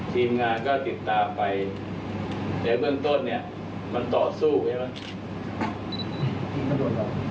ทีมงานก็ติดตามไปแต่เบื้องต้นเนี่ยมันต่อสู้ใช่ไหม